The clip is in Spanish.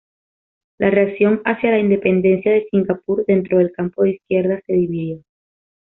La reacción hacia la independencia de Singapur dentro del campo de izquierda se dividió.